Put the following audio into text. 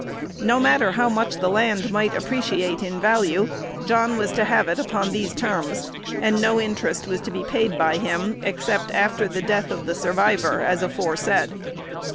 No matter how much the land might appreciate in value, John was to have it upon these terms, and no interest was to be paid by him, "except after the death of the survivor, as aforesaid."